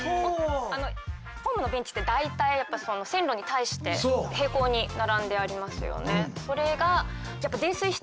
ホームのベンチって大体線路に対して平行に並んでありますよね。